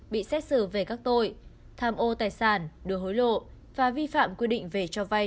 bị xét xử về các tội tham ô tài sản đưa hối lộ và vi phạm quy định về cho vay